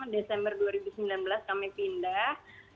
desember dua ribu sembilan belas kami pindah